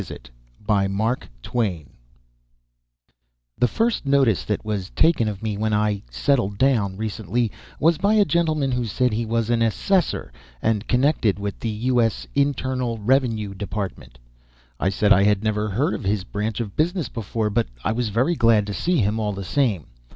A MYSTERIOUS VISIT The first notice that was taken of me when I "settled down" recently was by a gentleman who said he was an assessor, and connected with the U. S. Internal Revenue Department. I said I had never heard of his branch of business before, but I was very glad to see him all the same.